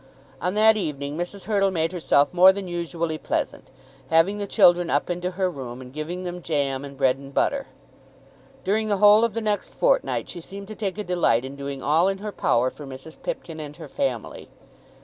On that evening Mrs. Hurtle made herself more than usually pleasant, having the children up into her room, and giving them jam and bread and butter. During the whole of the next fortnight she seemed to take a delight in doing all in her power for Mrs. Pipkin and her family.